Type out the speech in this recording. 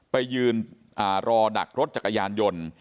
ไปยืนรอดักรถจักรยานยนต์